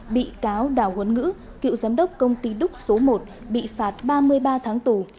bị cáo đào huấn ngữ cựu giám đốc công ty đúc số một bị phạt ba mươi ba tháng tù